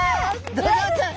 ドジョウちゃん！